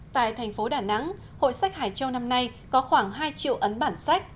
tại thành phố đà nẵng hội sách hải châu năm nay có khoảng hai triệu ấn bản sách